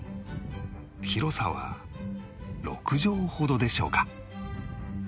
広さは６畳ほどでしょうか